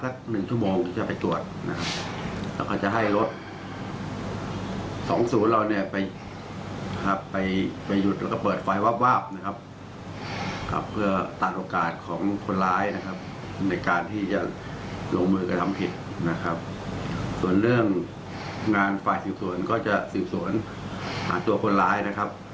ส่วนเรื่องงานฝ่ายสิวสวนก็จะสิวสวนหาตัวคนร้ายนะครับ